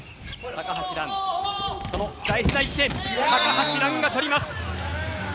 その大事な１点高橋藍が取ります。